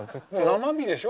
生身でしょ